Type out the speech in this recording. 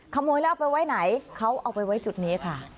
ขโมยแล้วเอาไปไว้ไหนเขาเอาไปไว้จุดนี้ค่ะ